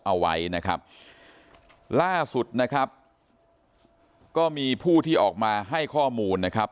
เอาไว้นะครับล่าสุดนะครับก็มีผู้ที่ออกมาให้ข้อมูลนะครับ